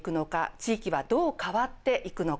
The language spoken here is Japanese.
地域はどう変わっていくのか。